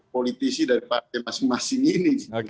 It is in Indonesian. politisi dari partai masing masing ini